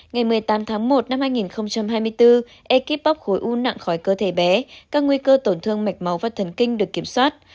ngày một mươi tám tháng một năm hai nghìn hai mươi bốn ekipoc khối u nặng khỏi cơ thể bé các nguy cơ tổn thương mạch máu và thần kinh được kiểm soát